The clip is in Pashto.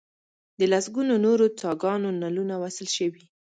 د لسګونو نورو څاګانو نلونه وصل شوي.